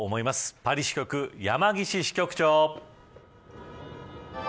パリ支局、山岸支局長。